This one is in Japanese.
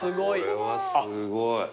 これはすごい。